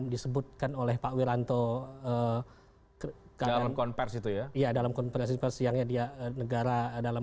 disebutkan oleh pak wiranto ke dalam konversi itu ya iya dalam konversi persiangan dia negara dalam